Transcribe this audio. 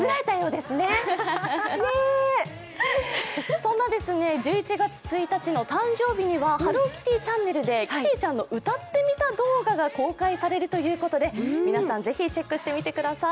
そんな１１月１日の誕生日にはハローキティチャンネルでキティちゃんの歌ってみた動画が公開されるということで皆さんぜひチェックしてみてください。